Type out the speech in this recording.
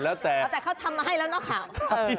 แล้วแต่เขาทำมาให้แล้วเนาะข่าว